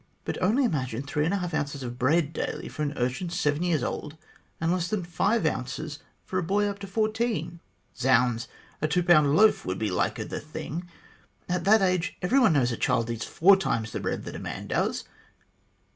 But only imagine three and a half ounces of bread daily for an urchin seven years old, and less than five ounces for a boy up to fourteen. Zounds ! a two pound loaf would be liker the thing. At that age every one knows a child eats four times the bread that a man does.